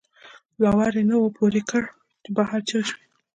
دَ لا ور نه وو پورې کړ، چې بهر چغې شوې